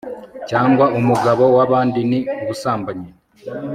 cyangwa umugabo w'abandi ni ubusambanyi